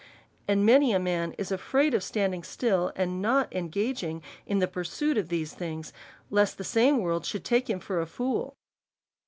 And many a man is afraid of standing still, and not engaging in the pur suit of these things, lest the same world should take him for a fool.